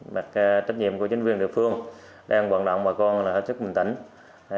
mặt trách nhiệm của chính viên địa phương đang hoạt động bà con là hết sức bình tĩnh